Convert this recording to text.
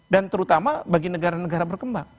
dan terutama bagi negara negara berkembang